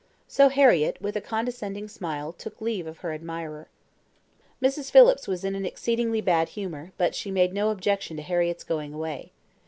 So Harriett, with a condescending smile, took leave of her admirer. Mrs. Phillips was in an exceedingly bad humour, but she made no objection to Harriett's going away.